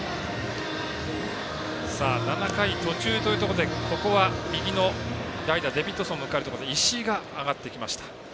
７回途中というところでここは右の代打、デビッドソンが向かうところで石井が上がってきました。